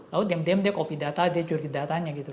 lalu diam diam dia copy data dia curi datanya gitu